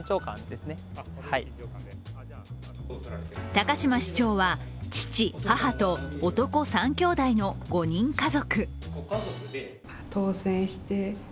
高島市長は父、母と男３兄弟の５人家族。